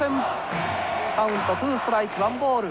カウントツーストライクワンボール。